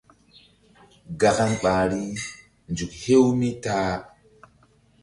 Gakan ɓahri: nzuk hew mi ta-a.